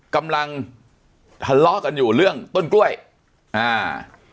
กำลังทะเลาะกันอยู่เรื่องต้นกล้วยอ่า